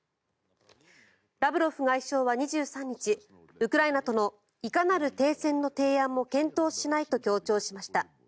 ラブロフ外相は２３日ウクライナとのいかなる停戦の提案も検討しないと強調しました。